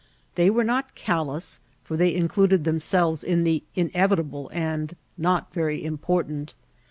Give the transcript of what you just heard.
They were not callous, for they included themselves in the "inevitable and not very important."